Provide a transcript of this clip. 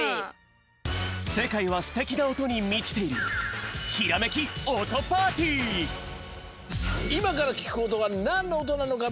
せかいはすてきなおとにみちているいまからきくおとがなんのおとなのか